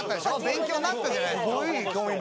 勉強になったじゃないですか。